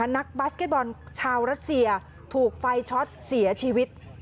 นักบาสเก็ตบอลชาวรัสเซียถูกไฟช็อตเสียชีวิต